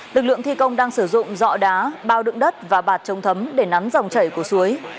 lực lượng thi công đang sử dụng dọ đá bao đựng đất và bạt trông thấm để nắm dòng chảy của suối